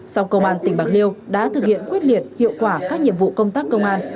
sau công an tỉnh bạc liêu đã thực hiện quyết liệt hiệu quả các nhiệm vụ công tác công an